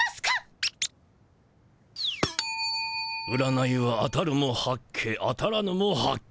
占いは「当たるも八卦当たらぬも八卦」